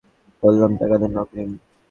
বললাম টাকা দেন অগ্রিম।